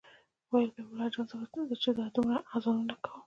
ویل به ملا جان زه چې دا دومره اذانونه کوم